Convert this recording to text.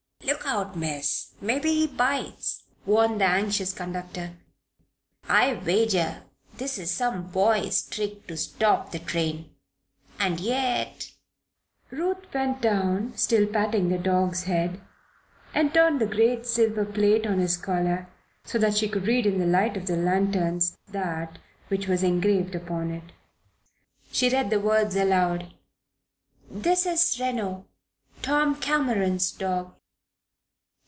"Look out, Miss; maybe he bites," warned the anxious conductor. "I wager this is some boy's trick to stop the train. And yet " Ruth bent down, still patting the dog's head, and turned the great silver plate on his collar so that she could read, in the light of the lanterns, that which was engraved upon it. She read the words aloud: "'This is Reno, Tom Cameron's Dog.'"